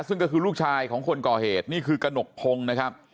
ซึ่งก็คือลูกชายของคนก่อเหตุนี่คือกระหนกพงศ์นะครับ